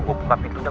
gue buka pintunya